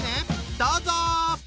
どうぞ！